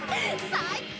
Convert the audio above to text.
最高！